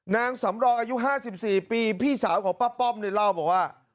นางสำรองอายุ๕๔ปีพี่สาวของป้าป้อมเนี่ยเล่าบอกว่า